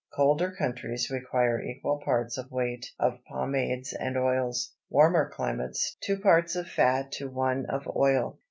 Colder countries require equal parts by weight of pomades and oils; warmer climates, two parts of fat to one of oil.